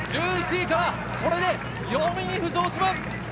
１１位からこれで４位に浮上します。